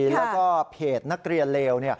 แล้วก็เพจนักเรียนเลว